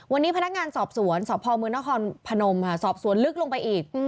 วันนี้พนักงานสอบสวนสพมนครพนมสอบสวนลึกลงไปอีก